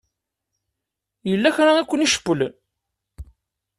Yella kra i ken-icewwlen?